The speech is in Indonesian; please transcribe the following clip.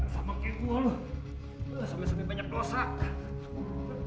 sama kayak gue lu sampe sampai banyak dosa